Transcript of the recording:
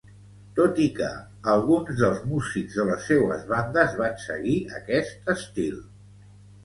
Tot i que alguns dels músics de les seues bandes van seguir aquest estil.